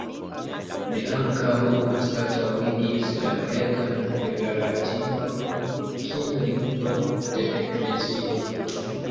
Li ankaŭ anstataŭigis la grekan per la latino kiel lingvo de eklezio.